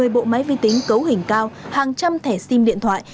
một mươi bộ máy vi tính cấu hình cao hàng trăm thẻ sim điện thoại